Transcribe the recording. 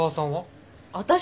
私？